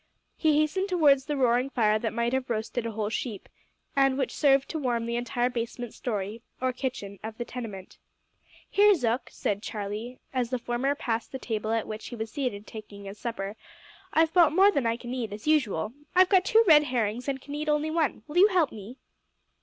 He hastened towards the roaring fire that might have roasted a whole sheep, and which served to warm the entire basement storey, or kitchen, of the tenement. "Here, Zook," said Charlie, as the former passed the table at which he was seated taking his supper, "I've bought more than I can eat, as usual! I've got two red herrings and can eat only one. Will you help me?"